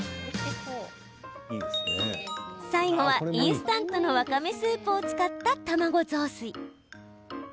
最後はインスタントのわかめスープを使った卵雑炊。